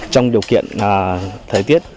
trong điều kiện thời tiết